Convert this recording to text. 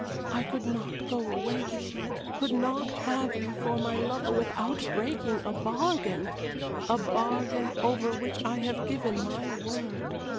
I could not go away with you, could not have you for my lover without breaking a bargain a bargain over which I have given my word.